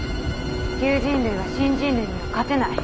旧人類は新人類には勝てない。